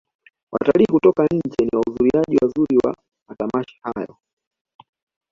watalii kutoka nje ni wahuzuriaji wazuri wa matamasha hayo